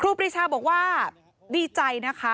ปริชาบอกว่าดีใจนะคะ